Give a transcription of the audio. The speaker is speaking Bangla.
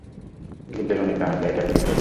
গিল্ডের অনেক দানবরাই এটার প্রতি অনুরক্ত।